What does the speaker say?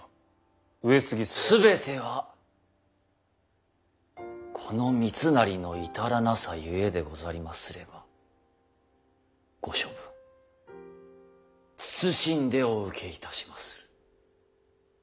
全てはこの三成の至らなさゆえでござりますればご処分謹んでお受けいたしまする。